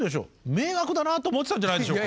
迷惑だなあと思ってたんじゃないでしょうか。